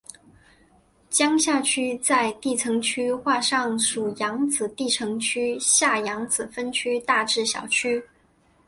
江夏区在地层区划上属扬子地层区下扬子分区大冶小区。